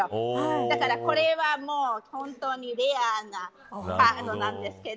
だからこれはもう本当にレアなカードなんですけど。